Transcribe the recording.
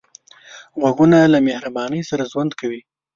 غوږونه له مهرباني سره ژوند کوي